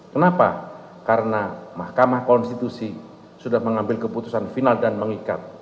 kenapa karena mahkamah konstitusi sudah mengambil keputusan final dan mengikat